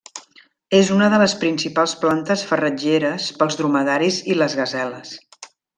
És una de les principals plantes farratgeres pels dromedaris i les gaseles.